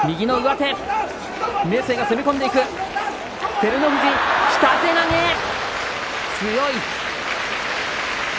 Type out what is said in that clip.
照ノ富士、下手投げ強い！